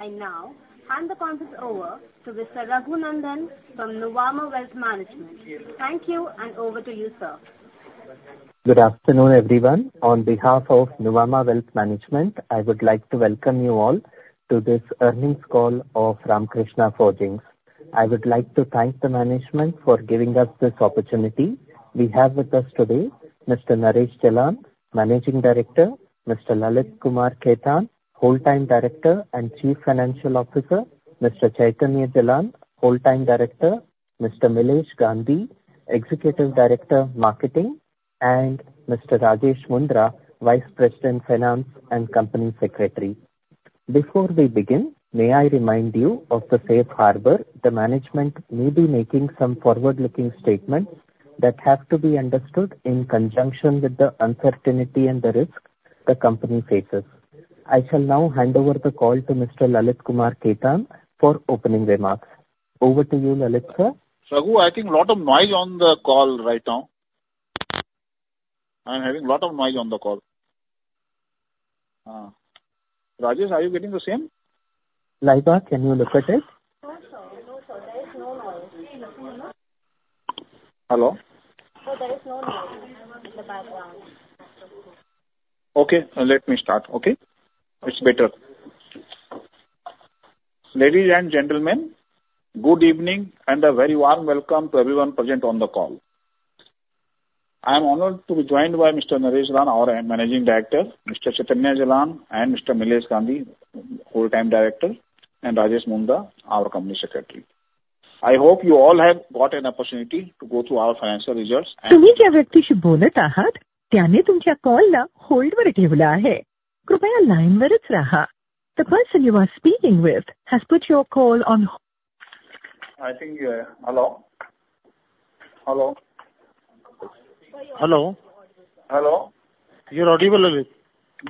I now hand the conference over to Mr. Raghu Nandan from Nuvama Wealth Management. Thank you, and over to you, sir. Good afternoon, everyone. On behalf of Nuvama Wealth Management, I would like to welcome you all to this earnings call of Ramkrishna Forgings. I would like to thank the management for giving us this opportunity. We have with us today Mr. Naresh Jalan, Managing Director, Mr. Lalit Kumar Khetan, Whole-time Director and Chief Financial Officer, Mr. Chaitanya Jalan, Whole-time Director, Mr. Milesh Gandhi, Executive Director, Marketing, and Mr. Rajesh Mundhra, Vice President, Finance, and Company Secretary. Before we begin, may I remind you of the safe harbor. The management may be making some forward-looking statements that have to be understood in conjunction with the uncertainty and the risks the company faces. I shall now hand over the call to Mr. Lalit Kumar Khetan for opening remarks. Over to you, Lalit, sir. Raghu, I think lot of noise on the call right now. I'm having lot of noise on the call. Rajesh, are you getting the same? Lalit, can you look at it? No, sir. No, sir, there is no noise. Hello? No, there is no noise in the background. Okay, let me start. Okay? It's better. Ladies and gentlemen, good evening, and a very warm welcome to everyone present on the call. I am honored to be joined by Mr. Naresh Jalan, our Managing Director, Mr. Chaitanya Jalan and Mr. Milesh Gandhi, Whole-time Director, and Rajesh Mundhra, our Company Secretary. I hope you all have got an opportunity to go through our financial results and- The person you are speaking with has put your call on hold. The person you are speaking with has put your call on h- I think you're... Hello? Hello. Hello. Hello. You're audible, Lalit.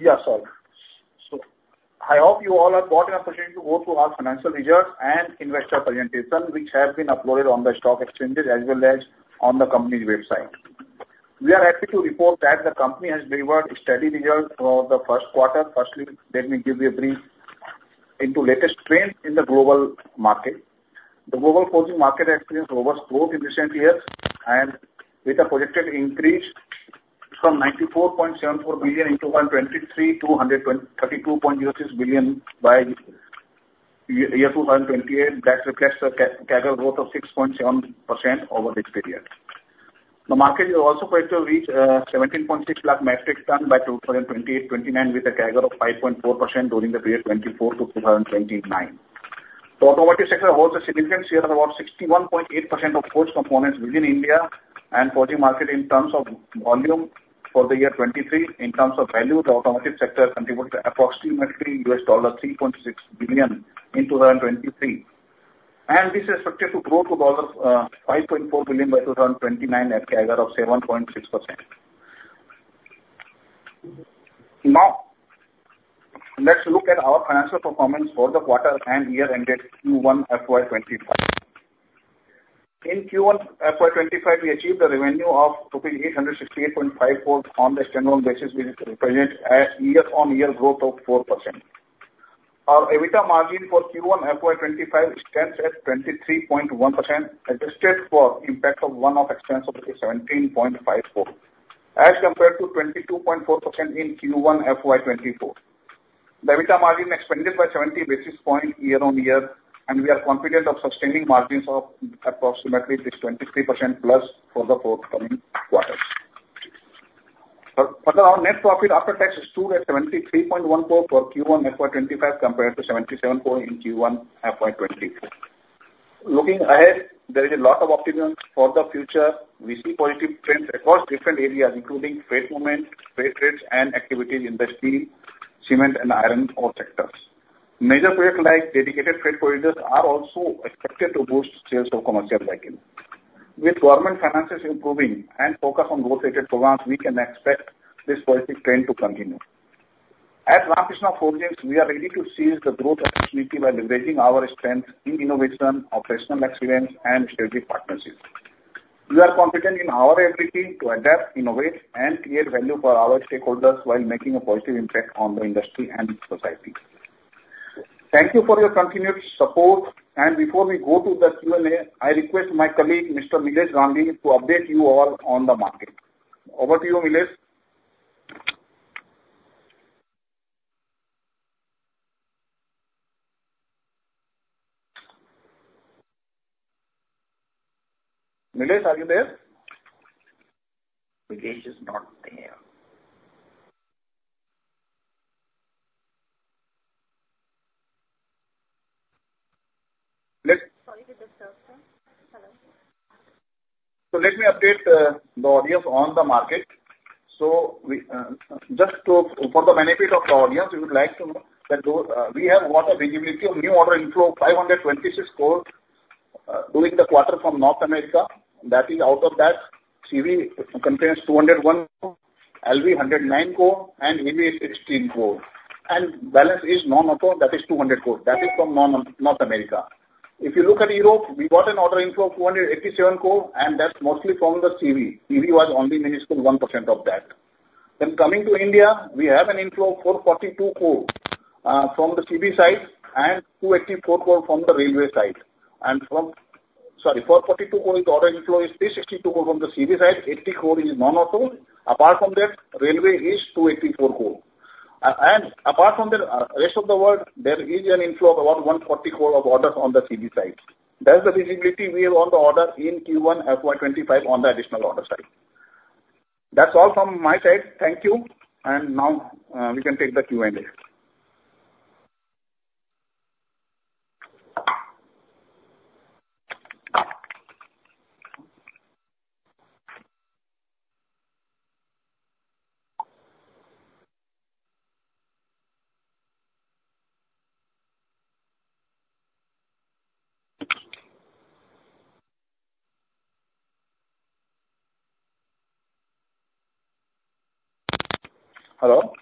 Yes, sir. So I hope you all have got an opportunity to go through our financial results and investor presentation, which have been uploaded on the stock exchanges as well as on the company's website. We are happy to report that the company has delivered steady results for the first quarter. Firstly, let me give you a brief into latest trend in the global market. The global forging market experienced robust growth in recent years and with a projected increase from $94.74 billion in 2023 to $132.06 billion by year 2028. That reflects a CAGR growth of 6.7% over this period. The market is also set to reach 17.6 lakh metric tons by 2028-29, with a CAGR of 5.4% during the period 2024-2029. The automotive sector holds a significant share of about 61.8% of forged components within India's forging market in terms of volume for the year 2023. In terms of value, the automotive sector contributed approximately $3.6 billion in 2023, and this is expected to grow to $5.4 billion by 2029 at CAGR of 7.6%. Now, let's look at our financial performance for the quarter and year ended Q1 FY 2025. In Q1 FY2025, we achieved a revenue of 868.5 crore on the external basis, which represent a year-on-year growth of 4%. Our EBITDA margin for Q1 FY2025 stands at 23.1%, adjusted for impact of one-off expense of 17.5 crore, as compared to 22.4% in Q1 FY2024. The EBITDA margin expanded by 70 basis points year on year, and we are confident of sustaining margins of approximately this 23%+ for the forthcoming quarters. For our net profit after tax stood at 73.1 crore for Q1 FY2025, compared to 77 crore in Q1 FY2024. Looking ahead, there is a lot of optimism for the future. We see positive trends across different areas, including trade movement, trade rates, and activities in the steel, cement, and iron ore sectors. Major projects like dedicated freight corridors are also expected to boost sales of commercial vehicles. With government finances improving and focus on growth-rated programs, we can expect this positive trend to continue. At Ramkrishna Forgings, we are ready to seize the growth opportunity by leveraging our strengths in innovation, operational excellence, and strategic partnerships. We are confident in our ability to adapt, innovate, and create value for our stakeholders while making a positive impact on the industry and society. Thank you for your continued support, and before we go to the Q&A, I request my colleague, Mr. Milesh Gandhi, to update you all on the market. Over to you, Milesh. Milesh, are you there? Milesh is not there. Sorry to disturb, sir. Hello. So let me update the audience on the market. So we just to, for the benefit of the audience, we would like to know that those we have got a visibility of new order inflow 526 crore during the quarter from North America. That is, out of that, CV contains 201 crore, LV 109 crore, and MV 16 crore, and balance is non-auto, that is 200 crore. That is from non-North America. If you look at Europe, we got an order inflow of 287 crore, and that's mostly from the CV. EV was only minuscule, 1% of that.... Then coming to India, we have an inflow of 442 crore from the CV side and 284 crore from the railway side. Sorry, 442 crore, the order inflow is 362 crore from the CB side, 80 crore is non-auto. Apart from that, railway is 284 crore. And apart from the rest of the world, there is an inflow of about 140 crore of orders on the CV side. That's the visibility we have on the order in Q1 FY25 on the additional order side. That's all from my side. Thank you. And now we can take the Q&A. Hello? Hello, sir. Hello.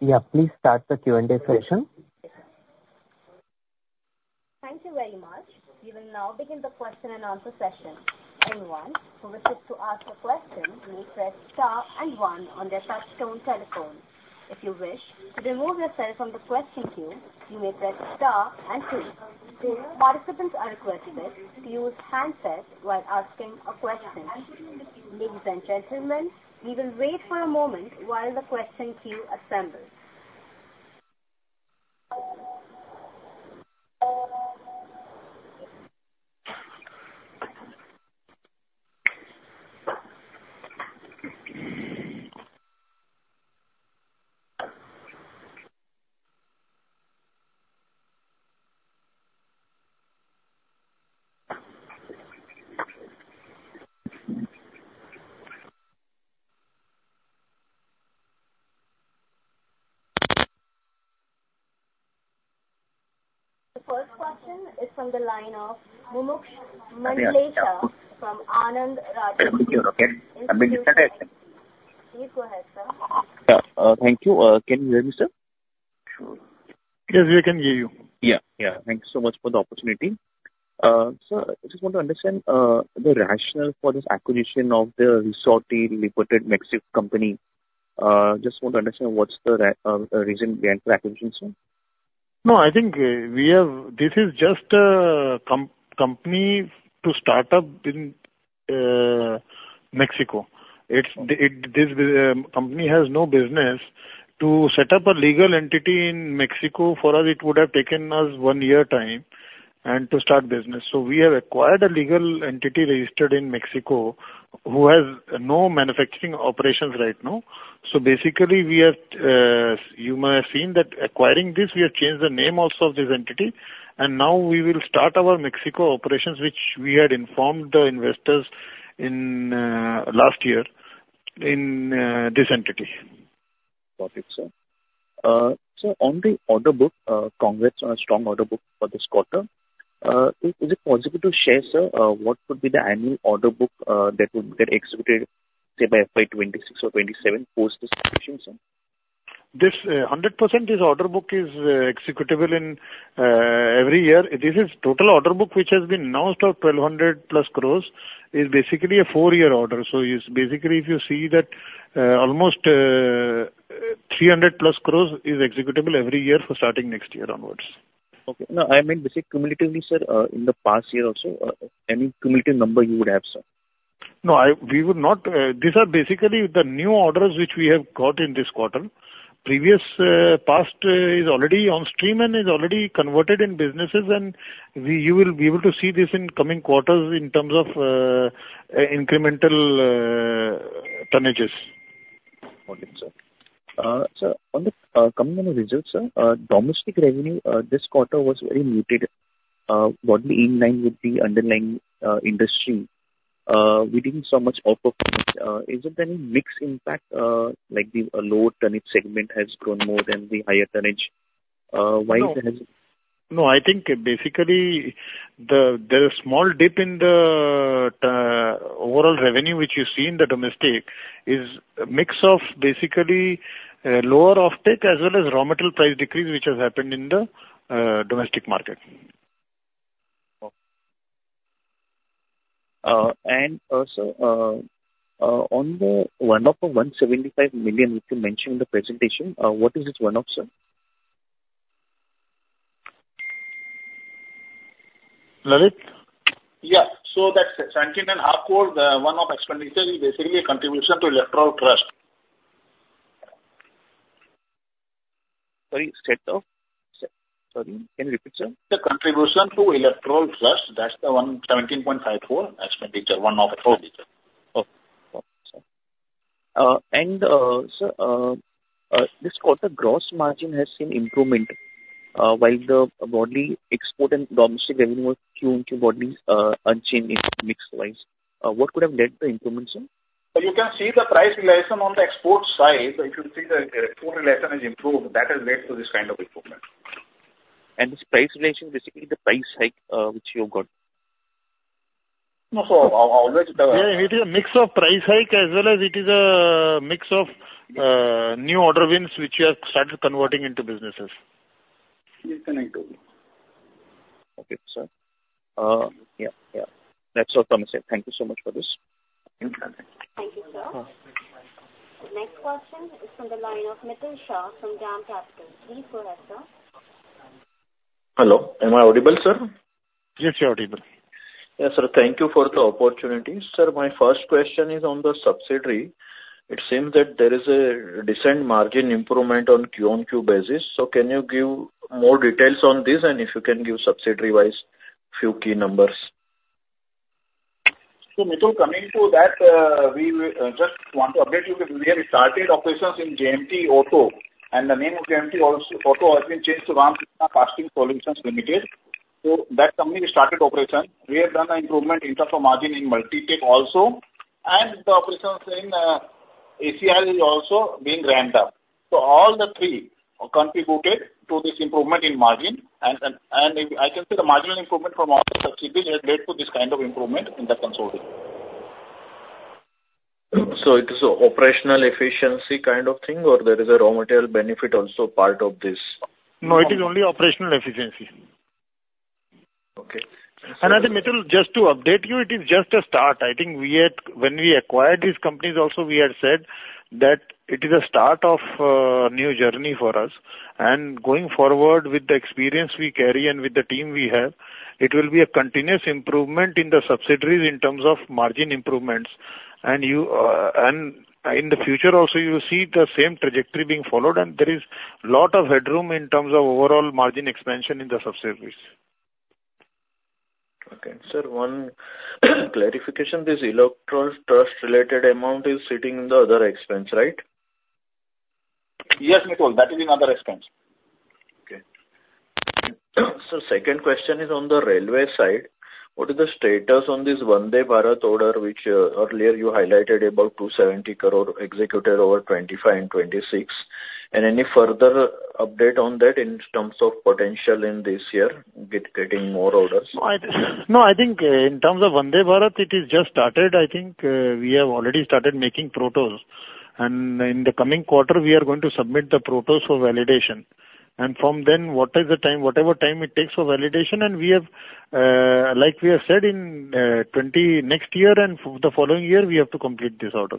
Yeah, please start the Q&A session. Thank you very much. We will now begin the question and answer session. Anyone who wishes to ask a question may press star and one on their touchtone telephone. If you wish to remove yourself from the question queue, you may press star and two. Participants are requested to use handset while asking a question. Ladies and gentlemen, we will wait for a moment while the question queue assembles. The first question is from the line of Mumuksh Mandlesha from Anand Rathi. Okay. Have we started? Please go ahead, sir. Yeah, thank you. Can you hear me, sir? Yes, we can hear you. Yeah, yeah. Thank you so much for the opportunity. Sir, I just want to understand the rationale for this acquisition of the Resortes Libertad Mexican company. Just want to understand what's the reason behind the acquisition, sir? No, I think, we have... This is just a company to start up in Mexico. It's this company has no business. To set up a legal entity in Mexico, for us, it would have taken us one year time and to start business. So we have acquired a legal entity registered in Mexico who has no manufacturing operations right now. So basically, we are, you might have seen that acquiring this, we have changed the name also of this entity, and now we will start our Mexico operations, which we had informed the investors in last year in this entity. Perfect, sir. So on the order book, congrats on a strong order book for this quarter. Is it possible to share, sir, what would be the annual order book, that would get executed, say, by FY 2026 or 2027 post this acquisition, sir? This, 100% this order book is executable in every year. This is total order book, which has been announced of 1,200+ crores, is basically a four-year order. So it's basically, if you see that, almost, 300+ crores is executable every year for starting next year onwards. Okay. No, I mean, basically, cumulatively, sir, in the past year also, any cumulative number you would have, sir? No, we would not. These are basically the new orders which we have got in this quarter. Previous past is already on stream and is already converted in businesses, and we, you will be able to see this in coming quarters in terms of incremental tonnages. Got it, sir. Sir, on the coming on the results, sir, domestic revenue this quarter was very muted. Broadly in line with the underlying industry, we didn't see much outperformance. Is there any mix impact, like the low tonnage segment has grown more than the higher tonnage? Why is that? No, I think basically, the small dip in the overall revenue, which you see in the domestic, is a mix of basically, lower offtake as well as raw material price decrease, which has happened in the domestic market. Okay. And, sir, on the one-off of 175 million, which you mentioned in the presentation, what is this one-off, sir? Lalit? Yeah. So that's 17.5 crore, the one-off expenditure is basically a contribution to electoral trust. Sorry, state of? Sorry, can you repeat, sir? The contribution to electoral trust, that's the one, 17.54 expenditure, one-off expenditure. Oh, okay. Sir, this quarter, gross margin has seen improvement, while the broadly export and domestic revenue Q into Q broadly unchanged mix-wise. What could have led to the improvement, sir? You can see the price realization on the export side. If you see the export realization has improved, that has led to this kind of improvement. This price relation, basically the price hike, which you got?... No, so always- Yeah, it is a mix of price hike, as well as it is a mix of, new order wins which we have started converting into businesses. Yes, correct. Okay, sir. Yeah, yeah. That's so promising. Thank you so much for this. Thank you. Thank you, sir. The next question is from the line of Mitul Shah from DAM Capital. Please go ahead, sir. Hello, am I audible, sir? Yes, you're audible. Yeah, sir. Thank you for the opportunity. Sir, my first question is on the subsidiary. It seems that there is a decent margin improvement on Q on Q basis, so can you give more details on this, and if you can give subsidiary-wise few key numbers? So Mitul, coming to that, we just want to update you that we have started operations in JMT Auto, and the name of JMT Auto has been changed to Ramkrishna Casting Solutions Limited. So that company started operations. We have done the improvement in terms of margin in Multitech also, and the operations in ACIL is also being ramped up. So all the three contributed to this improvement in margin, and if I can say the marginal improvement from all the subsidiaries has led to this kind of improvement in the consolidated. It is an operational efficiency kind of thing, or there is a raw material benefit also part of this? No, it is only operational efficiency. Okay. I think, Mitul, just to update you, it is just a start. I think we had... When we acquired these companies also, we had said that it is a start of, new journey for us, and going forward with the experience we carry and with the team we have, it will be a continuous improvement in the subsidiaries in terms of margin improvements. You, and in the future also, you see the same trajectory being followed, and there is lot of headroom in terms of overall margin expansion in the subsidiaries. Okay. Sir, one clarification, this electoral trust related amount is sitting in the other expense, right? Yes, Mitul, that is in other expense. Okay. Sir, second question is on the railway side. What is the status on this Vande Bharat order, which earlier you highlighted about 270 crore executed over 2025 and 2026? And any further update on that in terms of potential in this year, getting more orders? No, I think in terms of Vande Bharat, it is just started. I think we have already started making protos. And in the coming quarter, we are going to submit the protos for validation. And from then, what is the time, whatever time it takes for validation, and we have, like we have said, in 2025 and the following year, we have to complete this order.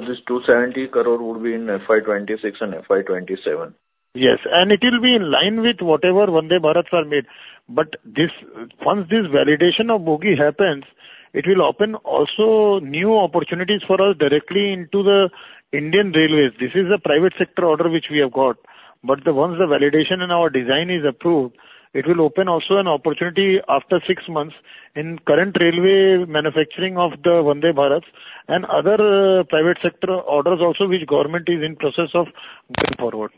This 270 crore would be in FY 2026 and FY 2027? Yes, and it will be in line with whatever Vande Bharat were made. But this, once this validation of bogie happens, it will open also new opportunities for us directly into the Indian Railways. This is a private sector order which we have got, but the, once the validation and our design is approved, it will open also an opportunity after six months in current railway manufacturing of the Vande Bharat and other, private sector orders also, which government is in process of going forward.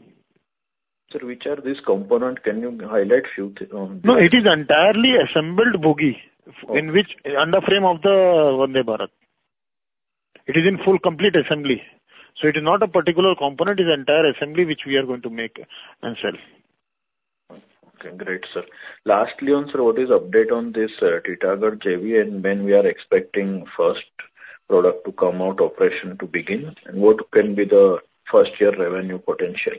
Sir, which are this component? Can you highlight few things on this? No, it is entirely assembled bogie- Okay. in which, under frame of the Vande Bharat. It is in full complete assembly, so it is not a particular component, it's entire assembly, which we are going to make and sell. Okay, great, sir. Lastly, on sir, what is update on this Titagarh JV, and when we are expecting first product to come out, operation to begin, and what can be the first year revenue potential?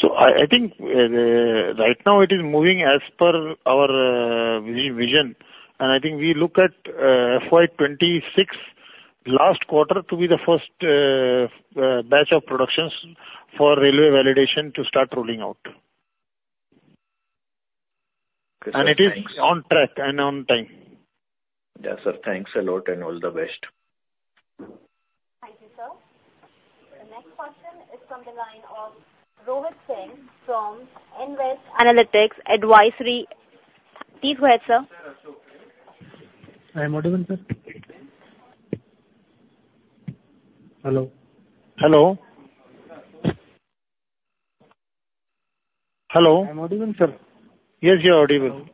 So I think right now it is moving as per our vision, and I think we look at FY 2026 last quarter to be the first batch of productions for railway validation to start rolling out. It is on track and on time. Yeah, sir. Thanks a lot, and all the best. Thank you, sir. The next question is from the line of Rohit Singh from Nvest Analytics Advisory. Please go ahead, sir. I audible, sir? Hello? Hello? Hello. Am I audible, sir? Yes, you are audible.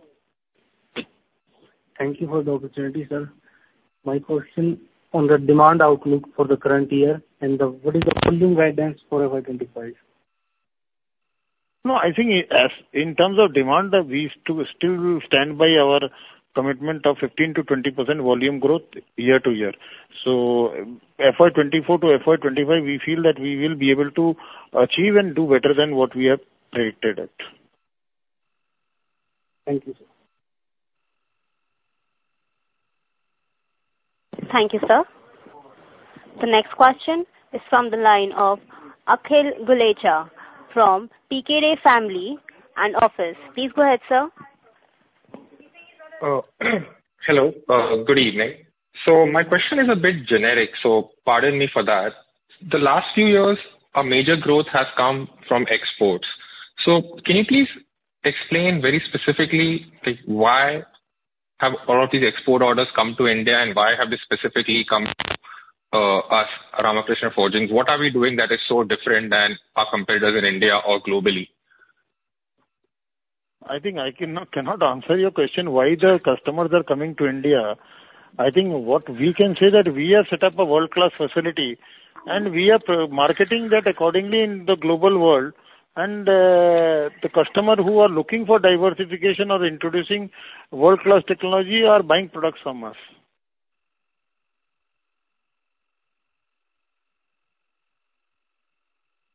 Thank you for the opportunity, sir. My question on the demand outlook for the current year, and what is the volume guidance for FY 2025? No, I think as in terms of demand, we still, still stand by our commitment of 15%-20% volume growth year to year. So FY 2024-FY 2025, we feel that we will be able to achieve and do better than what we have predicted it. Thank you, sir. Thank you, sir. The next question is from the line of Akhil Gulecha from Pkeday Family and Office. Please go ahead, sir. Hello. Good evening. So my question is a bit generic, so pardon me for that. The last few years, our major growth has come from exports. So can you please explain very specifically, like, why have all of these export orders come to India, and why have they specifically come to us, Ramkrishna Forgings? What are we doing that is so different than our competitors in India or globally? I think I cannot, cannot answer your question why the customers are coming to India. I think what we can say that we have set up a world-class facility, and we are marketing that accordingly in the global world, and the customer who are looking for diversification or introducing world-class technology are buying products from us.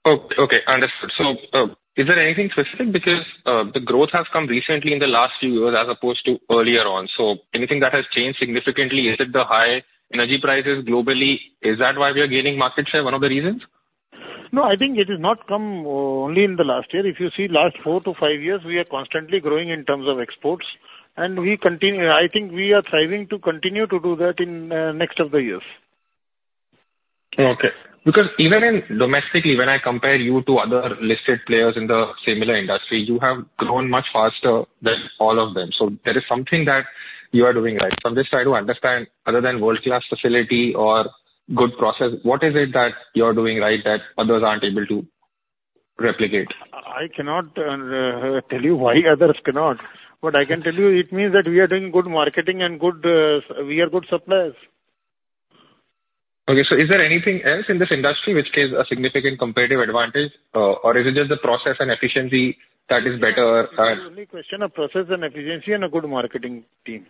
Okay, okay, understood. So, is there anything specific? Because, the growth has come recently in the last few years as opposed to earlier on, so anything that has changed significantly? Is it the high energy prices globally, is that why we are gaining market share, one of the reasons? No, I think it has not come only in the last year. If you see last four to five years, we are constantly growing in terms of exports, and we continue. I think we are thriving to continue to do that in next of the years. Okay. Because even domestically, when I compare you to other listed players in the similar industry, you have grown much faster than all of them, so there is something that you are doing right. So I'm just trying to understand, other than world-class facility or good process, what is it that you're doing right, that others aren't able to replicate? I cannot tell you why others cannot, but I can tell you it means that we are doing good marketing and good, we are good suppliers. Okay, so is there anything else in this industry which gives a significant competitive advantage, or is it just the process and efficiency that is better at? It's only question of process and efficiency and a good marketing team.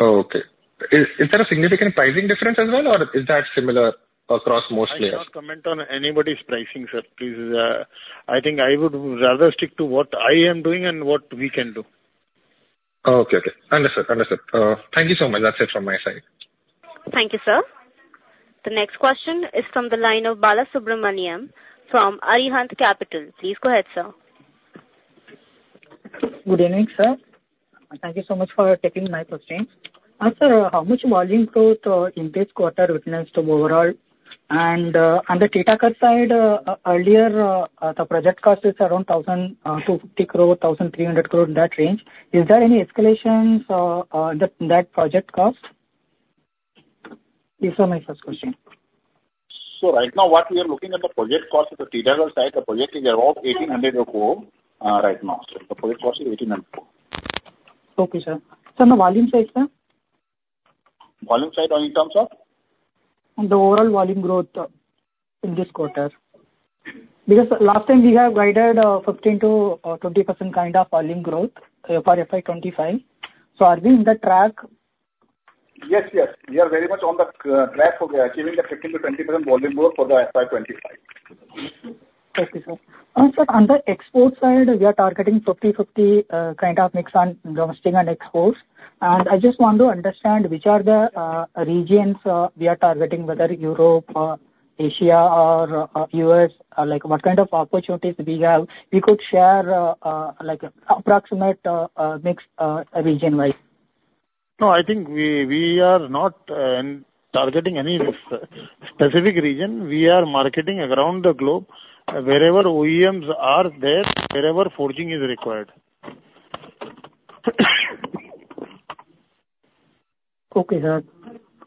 Oh, okay. Is there a significant pricing difference as well, or is that similar across most players? I cannot comment on anybody's pricing, sir, please. I think I would rather stick to what I am doing and what we can do. Oh, okay, okay. Understood, understood. Thank you so much. That's it from my side. Thank you, sir. The next question is from the line of Bala Subramaniam from Edelweiss Capital. Please go ahead, sir. Good evening, sir. Thank you so much for taking my question. Sir, how much volume growth in this quarter witnessed overall? And on the Titagarh side, earlier the project cost is around 1,250 crore-1,300 crore, that range. Is there any escalations that project cost? This is my first question. Right now, what we are looking at the project cost of the Titagarh side, the project is around 1,800 crore, right now, so the project cost is 1,800 crore. Okay, sir. Sir, the volume side, sir? Volume side on in terms of? The overall volume growth in this quarter. Because last time we have guided 15%-20% kind of volume growth for FY 2025, so are we in the track? Yes, yes, we are very much on the track for achieving the 15%-20% volume growth for the FY 2025. Thank you, sir. Sir, on the export side, we are targeting 50/50 kind of mix on domestic and exports. I just want to understand which are the regions we are targeting, whether Europe, Asia or U.S., like what kind of opportunities we have we could share, like approximate mix, region-wide. No, I think we are not targeting any specific region. We are marketing around the globe. Wherever OEMs are there, wherever forging is required. Okay, sir.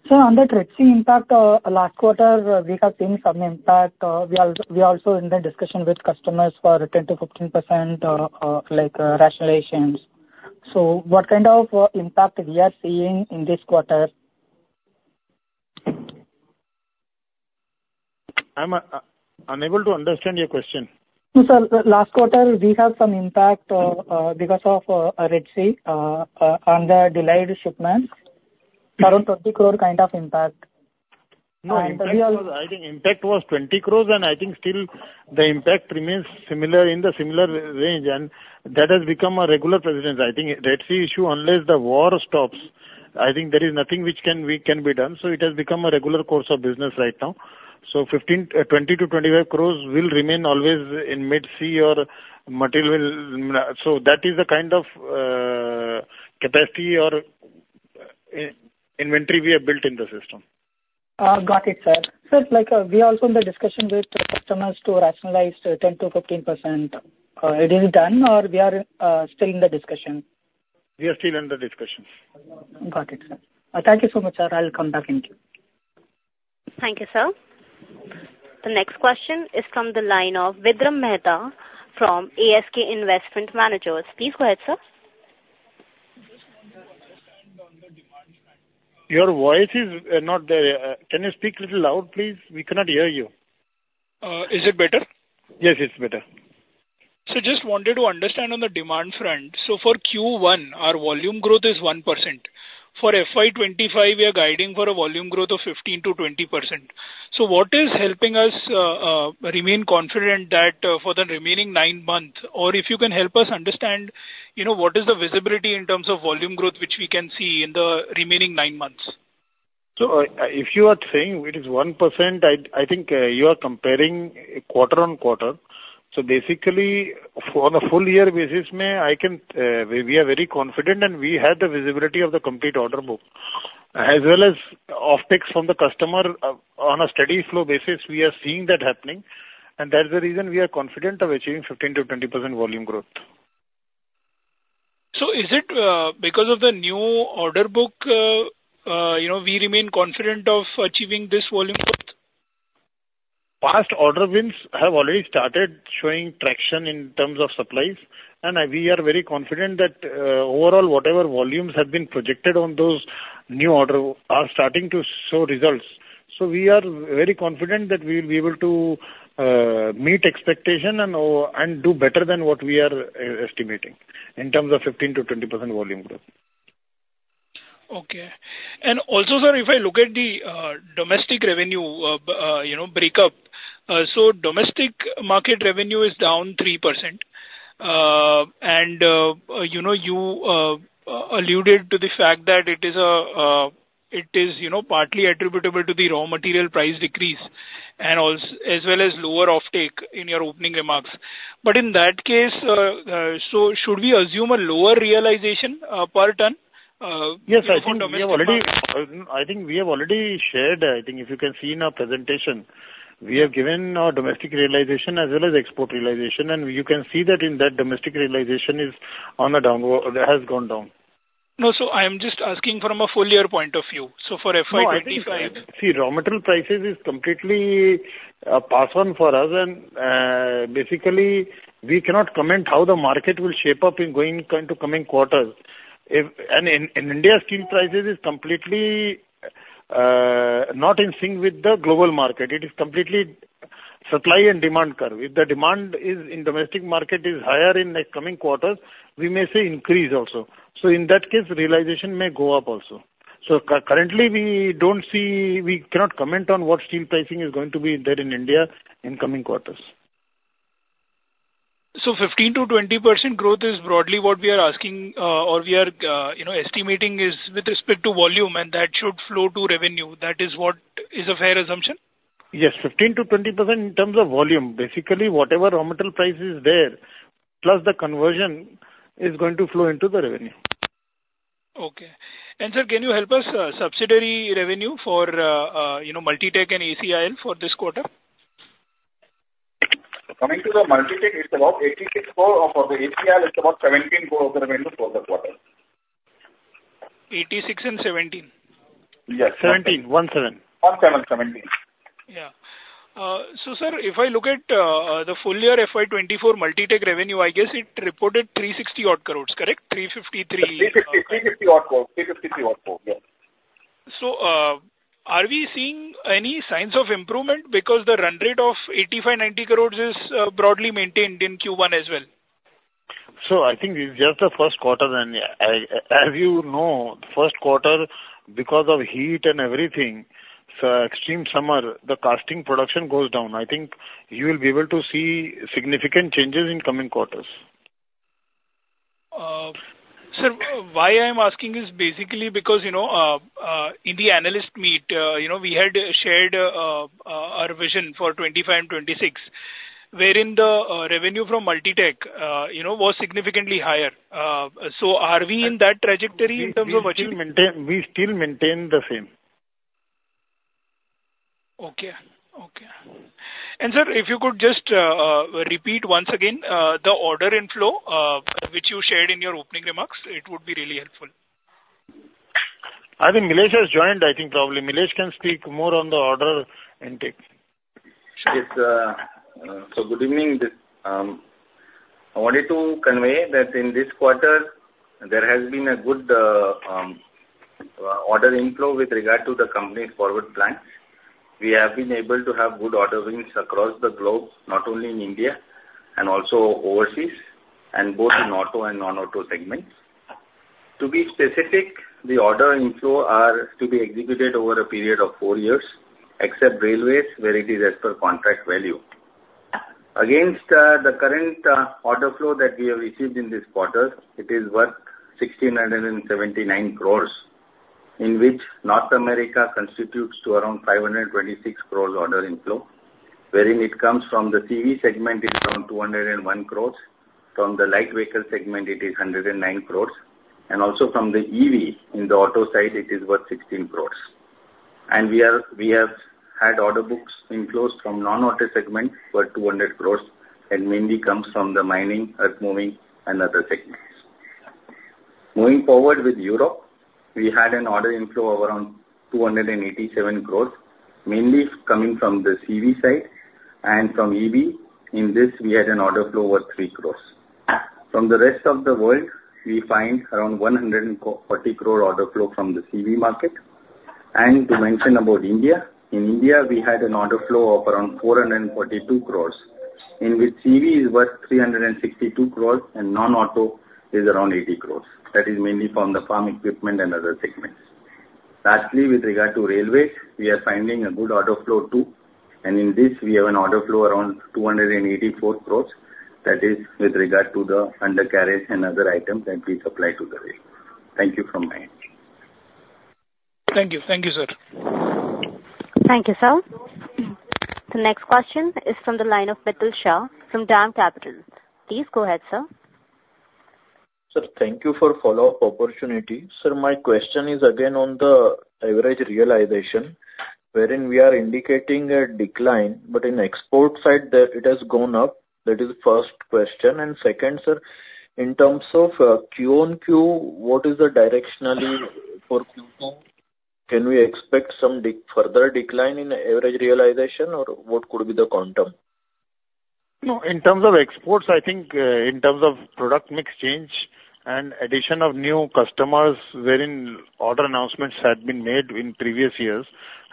So on the Red Sea impact, last quarter, we have seen some impact, we also, we are also in the discussion with customers for 10%-15%, like, rationalizations. So what kind of impact we are seeing in this quarter? I'm unable to understand your question. Sir, last quarter we had some impact because of Red Sea on the delayed shipments, around 50 crore kind of impact. And we are- No, impact was. I think impact was 20 crores, and I think still the impact remains similar, in the similar range, and that has become a regular precedent. I think Red Sea issue, unless the war stops, I think there is nothing which can be done, so it has become a regular course of business right now. So 15-25 crores will remain always in-transit or material. So that is the kind of capacity or inventory we have built in the system. Got it, sir. Sir, like, we are also in the discussion with customers to rationalize 10%-15%. It is done, or we are still in the discussion? We are still in the discussion. Got it, sir. Thank you so much, sir. I'll come back in queue. Thank you, sir. The next question is from the line of Vidrum Mehta from ASK Investment Managers. Please go ahead, sir. Just want to understand on the demand front- Your voice is not there. Can you speak little loud, please? We cannot hear you. Is it better? Yes, it's better. So just wanted to understand on the demand front. So for Q1, our volume growth is 1%. For FY 25, we are guiding for a volume growth of 15%-20%. So what is helping us remain confident that, for the remaining nine months, or if you can help us understand, you know, what is the visibility in terms of volume growth, which we can see in the remaining nine months? So, if you are saying it is 1%, I think you are comparing quarter-on-quarter. So basically, on a full year basis, we can, we are very confident, and we have the visibility of the complete order book, as well as of takes from the customer. On a steady flow basis, we are seeing that happening, and that's the reason we are confident of achieving 15%-20% volume growth. So is it because of the new order book, you know, we remain confident of achieving this volume growth?... Past order wins have already started showing traction in terms of supplies, and, we are very confident that, overall, whatever volumes have been projected on those new order are starting to show results. So we are very confident that we will be able to, meet expectation and do better than what we are, estimating, in terms of 15%-20% volume growth. Okay. And also, sir, if I look at the domestic revenue, you know, break up, so domestic market revenue is down 3%. And, you know, you alluded to the fact that it is, it is, you know, partly attributable to the raw material price decrease and as well as lower offtake in your opening remarks. But in that case, so should we assume a lower realization per ton? Yes, I think we have already, I think we have already shared. I think if you can see in our presentation, we have given our domestic realization as well as export realization, and you can see that in that domestic realization is on a downward... It has gone down. No, so I am just asking from a full year point of view, so for FY 25. No, I think, see, raw material prices is completely pass on for us, and basically, we cannot comment how the market will shape up in going into coming quarters. If in India, steel prices is completely not in sync with the global market. It is completely supply and demand curve. If the demand is in domestic market is higher in the coming quarters, we may see increase also. So in that case, realization may go up also. So currently, we don't see. We cannot comment on what steel pricing is going to be there in India in coming quarters. 15%-20% growth is broadly what we are asking, or we are, you know, estimating is with respect to volume, and that should flow to revenue. That is what is a fair assumption? Yes, 15%-20% in terms of volume. Basically, whatever raw material price is there, plus the conversion, is going to flow into the revenue. Okay. And sir, can you help us, subsidiary revenue for, you know, Multitech and ACIL for this quarter? Coming to the Multitech, it's about 86 crore. For the ACIL, it's about 17 crore revenue for the quarter. 86 and 17? Yes. 17. 17. 17, 17. Yeah. So, sir, if I look at the full year FY 2024 Multitech revenue, I guess it reported 360-odd crores, correct? 353. INR 350, INR 350 odd crore. 353 odd crore, yes. Are we seeing any signs of improvement? Because the run rate of 85-90 crores is broadly maintained in Q1 as well. I think it's just the first quarter, and, as you know, first quarter, because of heat and everything, so extreme summer, the casting production goes down. I think you will be able to see significant changes in coming quarters. Sir, why I'm asking is basically because, you know, in the analyst meet, you know, we had shared, our vision for 2025, 2026, wherein the, revenue from Multitech, you know, was significantly higher. So are we in that trajectory in terms of achieving? We still maintain, we still maintain the same. Okay. Okay. And sir, if you could just repeat once again the order inflow which you shared in your opening remarks, it would be really helpful. I think Milesh has joined, I think probably Milesh can speak more on the order intake. Yes, so good evening. I wanted to convey that in this quarter, there has been a good order inflow with regard to the company's forward plans. We have been able to have good order wins across the globe, not only in India, and also overseas, and both in auto and non-auto segments. To be specific, the order inflow are to be executed over a period of four years, except railways, where it is as per contract value. Against the current order flow that we have received in this quarter, it is worth 1,679 crores, in which North America constitutes to around 526 crores order inflow, wherein it comes from the CV segment it is around 201 crores, from the light vehicle segment it is 109 crores, and also from the EV in the auto side, it is worth 16 crores. And we have had order books inflows from non-auto segment for 200 crores, and mainly comes from the mining, earthmoving and other segments. Moving forward with Europe, we had an order inflow of around 287 crores, mainly coming from the CV side and from EV. In this, we had an order flow over 3 crores. From the rest of the world, we find around 140 crore order flow from the CV market. To mention about India, in India, we had an order flow of around 442 crores, in which CV is worth 362 crores and non-auto is around 80 crores. That is mainly from the farm equipment and other segments. Lastly, with regard to railways, we are finding a good order flow too, and in this we have an order flow around 284 crores. That is with regard to the undercarriage and other items that we supply to the rail. Thank you from my end. Thank you. Thank you, sir. Thank you, sir. The next question is from the line of Mitul Shah, from DAM Capital. Please go ahead, sir. Sir, thank you for follow-up opportunity. Sir, my question is again on the average realization, wherein we are indicating a decline, but in export side, it has gone up. That is first question. And second, sir-... In terms of Q on Q, what is the directionally for Q4? Can we expect some further decline in average realization, or what could be the quantum? No, in terms of exports, I think, in terms of product mix change and addition of new customers, wherein order announcements had been made in previous years,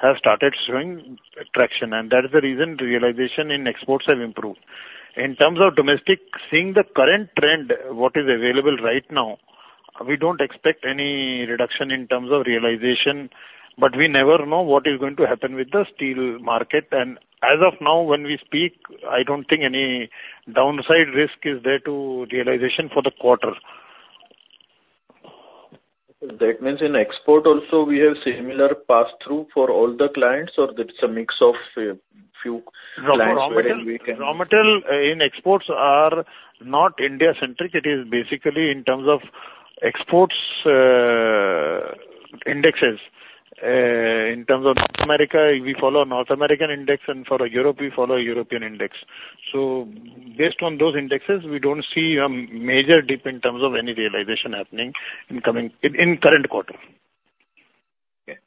have started showing traction, and that is the reason realization in exports have improved. In terms of domestic, seeing the current trend, what is available right now, we don't expect any reduction in terms of realization, but we never know what is going to happen with the steel market. And as of now, when we speak, I don't think any downside risk is there to realization for the quarter. That means in export also we have similar passthrough for all the clients, or that's a mix of few clients wherein we can- Raw material, raw material, in exports are not India-centric. It is basically in terms of exports, indexes. In terms of North America, we follow North American index, and for Europe, we follow European index. So based on those indexes, we don't see a major dip in terms of any realization happening in coming, current quarter. Okay.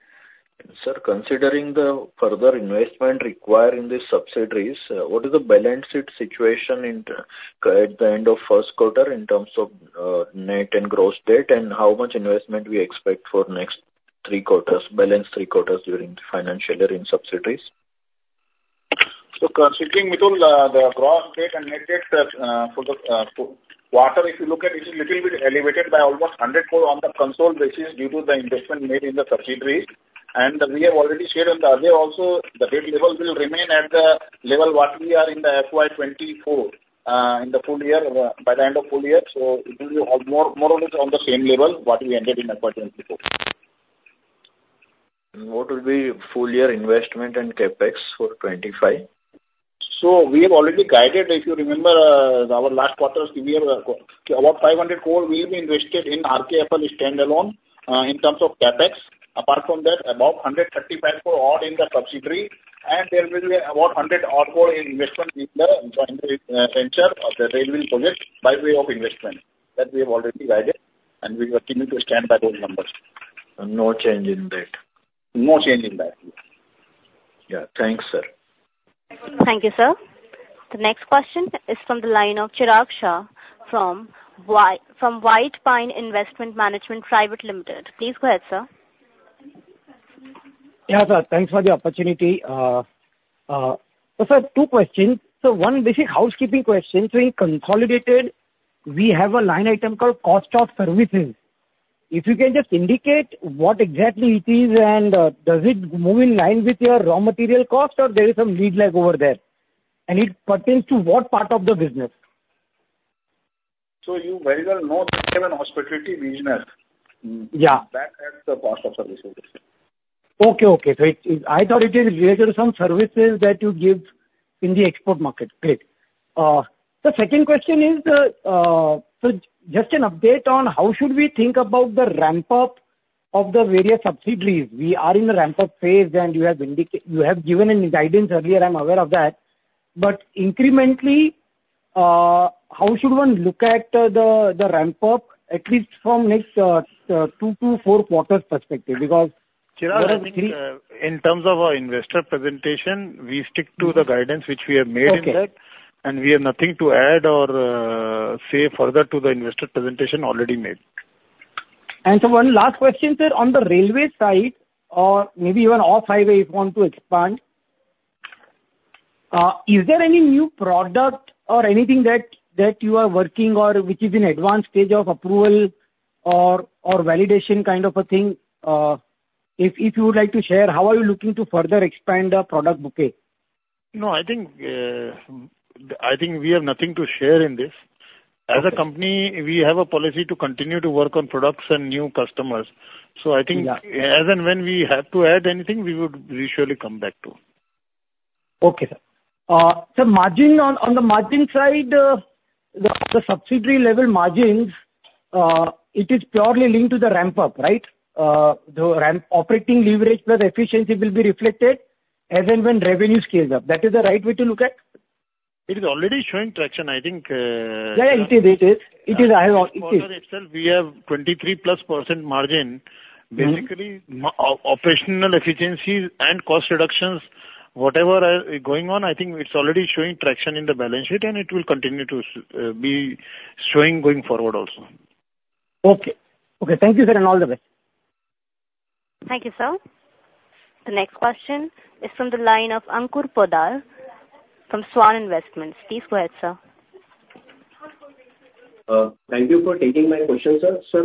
Sir, considering the further investment required in the subsidiaries, what is the balance sheet situation at the end of first quarter in terms of, net and gross debt, and how much investment we expect for next three quarters, balance three quarters during financial year in subsidiaries? Considering between the gross debt and net debt for the quarter, if you look at it, it's a little bit elevated by almost 100 crore on the consolidated basis due to the investment made in the subsidiaries. We have already shared on the other also, the debt level will remain at the level what we are in the FY 2024 in the full year by the end of full year. It will be more, more or less on the same level what we ended in FY 2024. What will be full year investment and CapEx for 2025? So we have already guided, if you remember, our last quarter, we have about 500 crore will be invested in RKFL standalone, in terms of CapEx. Apart from that, about 135 crore odd in the subsidiary, and there will be about 100 odd crore in investment in the joint venture of the railway project by way of investment. That we have already guided, and we are continuing to stand by those numbers. No change in that? No change in that, yeah. Yeah. Thanks, sir. Thank you, sir. The next question is from the line of Chirag Shah, from White Pine Investment Management Private Limited. Please go ahead, sir. Yeah, sir. Thanks for the opportunity. So sir, two questions. So one basic housekeeping question. So in consolidated, we have a line item called cost of services. If you can just indicate what exactly it is, and, does it move in line with your raw material cost, or there is some lead lag over there? And it pertains to what part of the business? You very well know we have a hospitality business. Yeah. That has the cost of services. Okay, okay. So it I thought it is related to some services that you give in the export market. Great. The second question is, so just an update on how should we think about the ramp-up of the various subsidiaries. We are in the ramp-up phase, and you have given a guidance earlier, I'm aware of that. But incrementally, how should one look at the ramp-up, at least from next two to four quarters perspective? Because there are three- Chirag, in terms of our investor presentation, we stick to the guidance which we have made in that. Okay. We have nothing to add or say further to the investor presentation already made. And so one last question, sir. On the railway side, or maybe even off highway, if you want to expand, is there any new product or anything that you are working on or which is in advanced stage of approval or validation kind of a thing? If you would like to share, how are you looking to further expand the product bouquet? No, I think, I think we have nothing to share in this. Okay. As a company, we have a policy to continue to work on products and new customers. Yeah. I think as and when we have to add anything, we would usually come back to. Okay, sir. So margin, on the margin side, the subsidiary level margins, it is purely linked to the ramp-up, right? The ramp, operating leverage, the efficiency will be reflected as and when revenue scales up. That is the right way to look at? It is already showing traction, I think. Yeah, it is, it is. It is, I have... It is. Quarter itself, we have 23+% margin. Basically, more operational efficiencies and cost reductions, whatever are going on, I think it's already showing traction in the balance sheet, and it will continue to be showing going forward also. Okay. Okay, thank you, sir, and all the best. Thank you, sir. The next question is from the line of Ankur Poddar from Svan Investments. Please go ahead, sir. Thank you for taking my question, sir. Sir,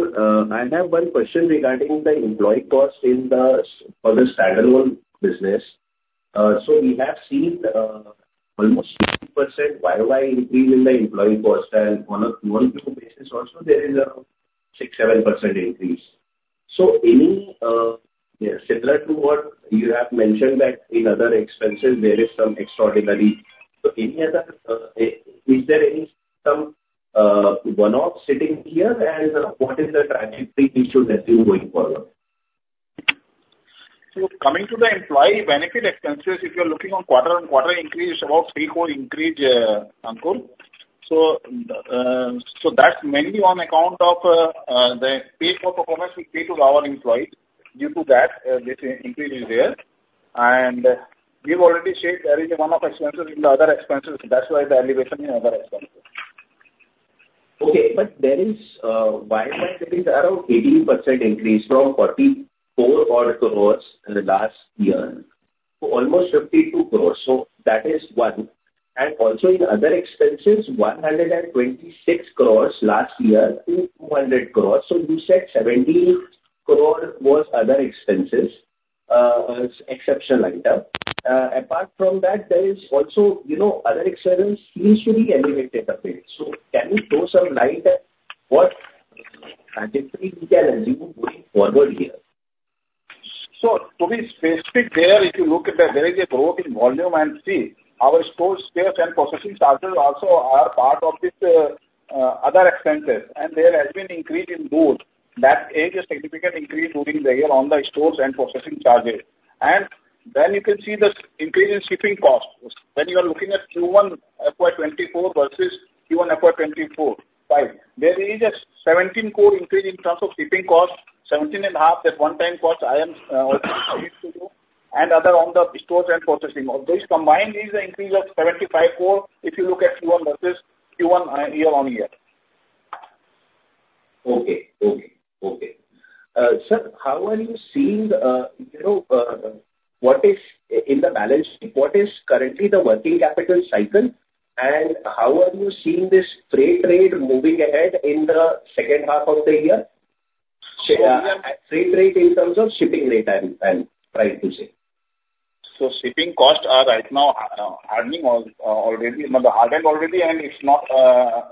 I have one question regarding the employee cost in the, for the standalone business. So we have seen almost 6% YOY increase in the employee cost, and on a Q on Q basis also there is a 6-7% increase. So any, yeah, similar to what you have mentioned that in other expenses, there is some extraordinary. So any other, is there any some one-off sitting here? And what is the trajectory we should assume going forward?... So coming to the employee benefit expenses, if you are looking on quarter-on-quarter increase, about 3 crore increase. So, so that's mainly on account of, the pay for performance we pay to our employees. Due to that, this increase is there. And we've already said there is a one-off expenses in the other expenses, that's why the elevation in other expenses. Okay, but there is, Y-o-Y, it is around 18% increase from 44 odd crores in the last year to almost 52 crores. So that is one. And also in other expenses, 126 crores last year to 200 crores. So you said 70 crore was other expenses, exceptional item. Apart from that, there is also, you know, other expenses usually elevated a bit. So can you throw some light on what exactly we can assume going forward here? To be specific there, if you look at that, there is a growth in volume and see, our store space and processing charges also are part of this, other expenses, and there has been increase in both. That is a significant increase during the year on the stores and processing charges. And then you can see this increase in shipping costs. When you are looking at Q1 FY 2024 versus Q1 FY 2025, there is an 17 crore increase in terms of shipping costs, 17.5, that one-time cost I am, and other on the stores and processing. Those combined is an increase of 75 crore, if you look at Q1 versus Q1, year on year. Okay, sir, how are you seeing, you know, what is, in the balance sheet, what is currently the working capital cycle, and how are you seeing this freight rate moving ahead in the second half of the year? Freight rate in terms of shipping rate, I'm trying to say. So shipping costs are right now, hardening already, meaning they hardened already, and it's not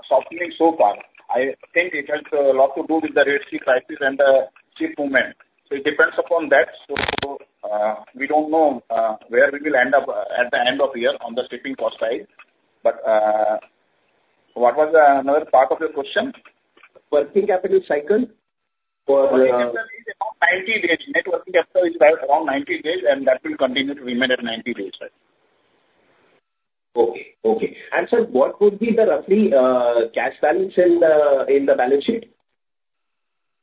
softening so far. I think it has a lot to do with the Red Sea crisis and the ship movement. So it depends upon that. So, we don't know, where we will end up at the end of year on the shipping cost side. But, what was the another part of your question? Working capital cycle. For 90 days. Net working capital is around 90 days, and that will continue to remain at 90 days. Okay. Okay. Sir, what would be roughly the cash balance in the balance sheet?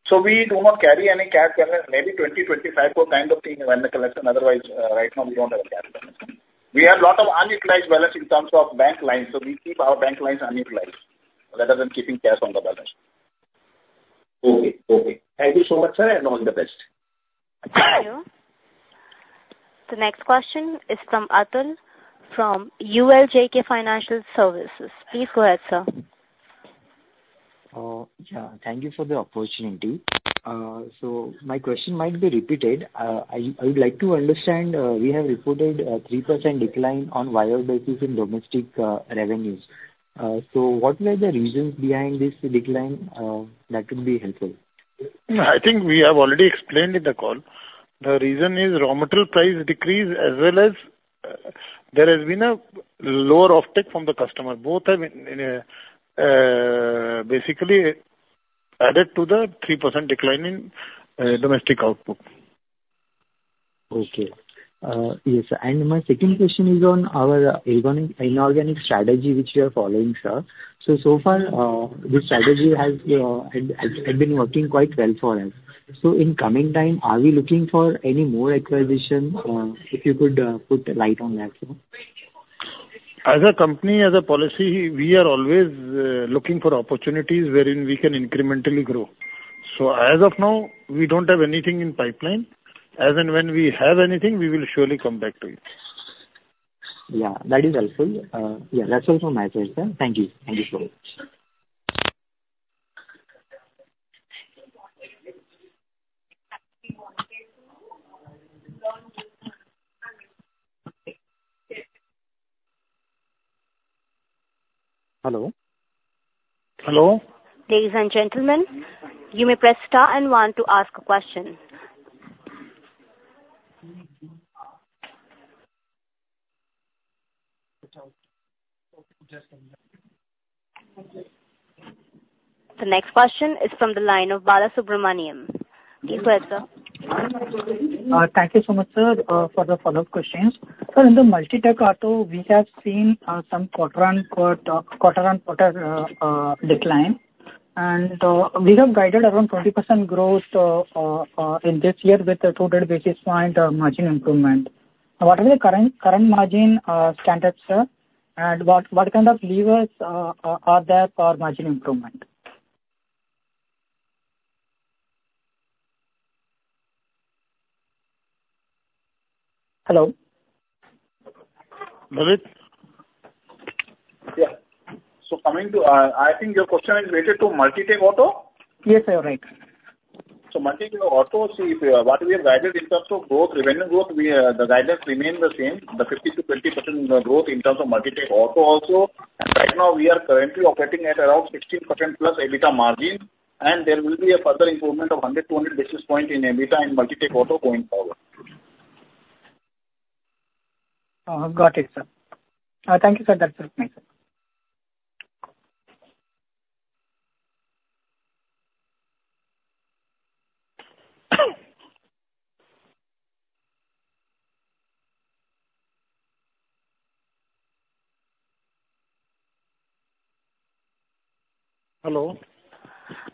So we do not carry any cash balance, maybe 20-25 crore kind of thing when the collection. Otherwise, right now, we don't have a cash balance. We have a lot of unutilized balance in terms of bank lines, so we keep our bank lines unutilized, rather than keeping cash on the balance. Okay. Okay. Thank you so much, sir, and all the best. Thank you. The next question is from Atul from ULJK Financial Services. Please go ahead, sir. Yeah, thank you for the opportunity. My question might be repeated. I would like to understand, we have reported a 3% decline on Y-o-Y basis in domestic revenues. What were the reasons behind this decline? That would be helpful. I think we have already explained in the call. The reason is raw material price decrease, as well as, there has been a lower off-take from the customer. Both have been, basically added to the 3% decline in, domestic output. Okay. Yes, and my second question is on our organic, inorganic strategy, which you are following, sir. So, so far, this strategy has been working quite well for us. So in coming time, are we looking for any more acquisition? If you could put a light on that, sir. As a company, as a policy, we are always looking for opportunities wherein we can incrementally grow. So as of now, we don't have anything in pipeline. As and when we have anything, we will surely come back to you. Yeah, that is helpful. Yeah, that's all from my side, sir. Thank you. Thank you so much. Hello? Hello. Ladies and gentlemen, you may press Star and One to ask a question. The next question is from the line of Bala Subramaniam. Please go ahead, sir. Thank you so much, sir, for the follow-up questions. Sir, in the Multi-Tech Auto, we have seen some quarter-over-quarter, quarter-over-quarter decline, and we have guided around 40% growth in this year with a total basis point margin improvement. What are the current, current margin standards, sir? And what, what kind of levers are, are there for margin improvement? Hello? Lalit? Yeah. So coming to, I think your question is related to Multitech Auto? Yes, you're right. So Multitech Auto, see, if what we have guided in terms of growth, revenue growth, the guidance remains the same, the 50%-20% growth in terms of Multitech Auto also. And right now we are currently operating at around 16%+ EBITDA margin, and there will be a further improvement of 100-200 basis points in EBITDA and Multitech Auto going forward. Got it, sir. Thank you, sir. That's it. Thank you. Hello?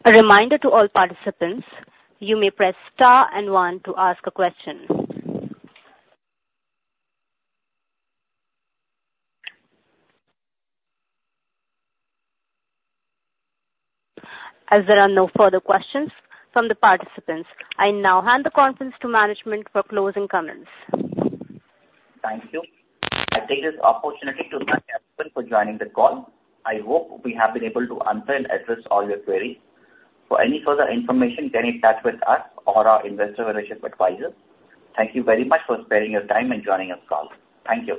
A reminder to all participants, you may press Star and One to ask a question. As there are no further questions from the participants, I now hand the conference to management for closing comments. Thank you. I take this opportunity to thank everyone for joining the call. I hope we have been able to answer and address all your queries. For any further information, get in touch with us or our investor relations advisor. Thank you very much for sparing your time and joining us call. Thank you.